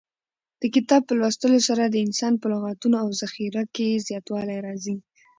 د کتاب په لوستلو سره د انسان په لغتونو او ذخیره کې زیاتوالی راځي.